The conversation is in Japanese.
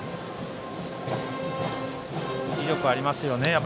威力がありますよね。